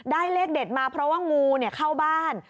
เลขเด็ดมาเพราะว่างูเข้าบ้าน